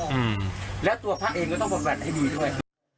หือแล้วตัวพระเองก็ต้องประแร๘๐บนดีด้วย